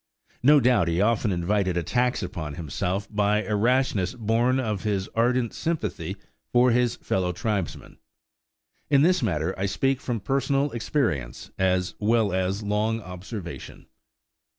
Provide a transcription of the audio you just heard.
No doubt he often invited attacks upon himself by a rashness born of his ardent sympathy for his fellow tribesmen. In this matter I speak from personal experience as well as long observation.